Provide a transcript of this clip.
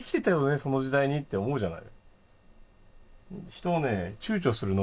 その時代に」って思うじゃない。